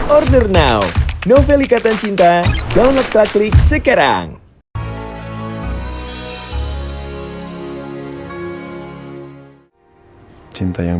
order now novel ikatan cinta download plaklik sekarang